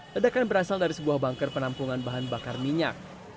ledakan berasal dari sebuah banker penampungan bahan bakar minyak